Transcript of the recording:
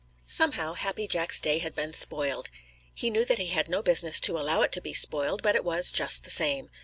_ Somehow Happy Jack's day had been spoiled. He knew that he had no business to allow it to be spoiled, but it was, just the same.